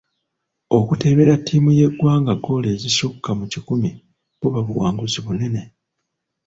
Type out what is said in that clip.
Okuteebera ttiimu y'eggwanga ggoolo ezisukka mu kikumi buba buwanguzi bunene.